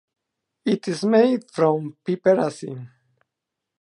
It is made from piperazine.